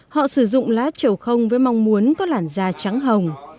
họ sử dụng lá trầu không với mong muốn có làn da trắng hồng